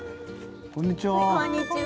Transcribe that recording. こんにちは。